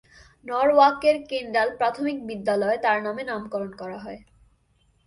নরওয়াকের Kendall প্রাথমিক বিদ্যালয় তার নামে নামকরণ করা হয়।